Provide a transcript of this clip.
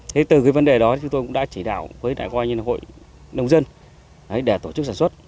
thế từ cái vấn đề đó chúng tôi cũng đã chỉ đạo với ngoại hội nông dân để tổ chức sản xuất